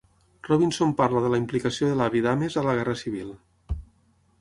Robinson parla de la implicació de l'avi d'Ames a la guerra civil.